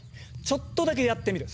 ちょっとだけやってみる。